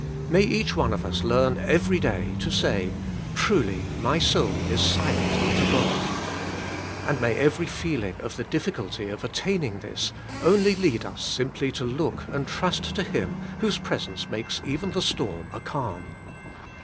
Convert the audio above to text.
May each one of us learn every day to say, ^ Truly my soul is silent unto God.' And may every feeling of the difficulty of attaining this only lead us simply to look and trust to Him whose presence makes even the storm a calm.